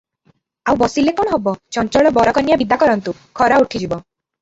ଆଉ ବସିଲେ କଣ ହେବ, ଚଞ୍ଚଳ ବର କନ୍ୟା ବିଦା କରନ୍ତୁ; ଖରା ଉଠିଯିବ ।"